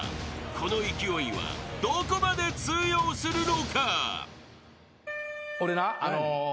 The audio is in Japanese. ［この勢いはどこまで通用するのか？］